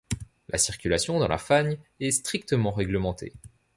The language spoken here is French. La circulation dans la fagne est strictement règlementée.